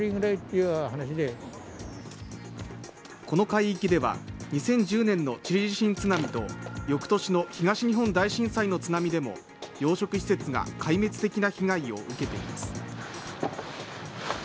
この海域では２０１０年のチリ地震津波と、翌年の東日本大震災の津波でも養殖施設が壊滅的な被害を受けています。